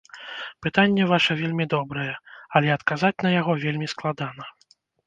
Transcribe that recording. Пытанне ваша вельмі добрае, але адказаць на яго вельмі складана.